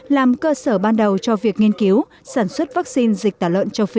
làm cơ sở ban đầu cho việc nghiên cứu sản xuất vaccine dịch tả lợn châu phi